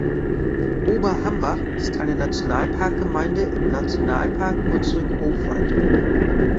Oberhambach ist eine Nationalparkgemeinde im Nationalpark Hunsrück-Hochwald.